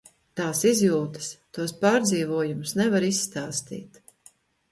Tās izjūtas, tos pārdzīvojumus nevar izstāstīt.